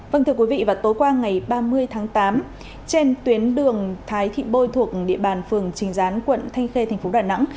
vâng thưa quý vị vào tối qua ngày ba mươi tháng tám trên tuyến đường thái thị bôi thuộc địa bàn phường trình gián quận thanh khê thành phố đà nẵng